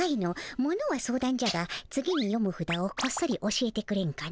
ものは相談じゃが次に読むふだをこっそり教えてくれんかの。